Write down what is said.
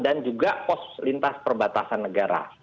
dan juga kos lintas perbatasan negara